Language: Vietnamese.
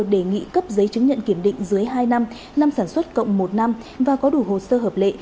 đề nghị cấp giấy chứng nhận kiểm định dưới hai năm năm sản xuất cộng một năm và có đủ hồ sơ hợp lệ